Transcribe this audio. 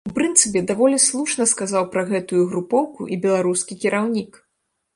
У прынцыпе, даволі слушна сказаў пра гэтую групоўку і беларускі кіраўнік.